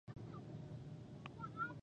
مېلې د نندارې، سیالۍ، هنر او خلاقیت ځای دئ.